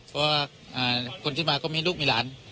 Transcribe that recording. เพราะว่าคนที่มาก็มีลูกมีหลาน